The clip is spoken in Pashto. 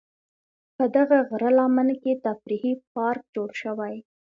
په دغه غره لمن کې تفریحي پارک جوړ شوی.